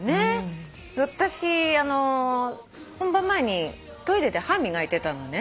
私本番前にトイレで歯磨いてたのね。